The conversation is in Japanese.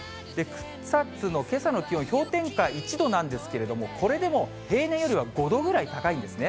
草津のけさの気温、氷点下１度なんですけれども、これでも平年よりは５度ぐらい高いんですね。